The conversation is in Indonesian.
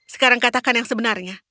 sekarang katakan yang sebenarnya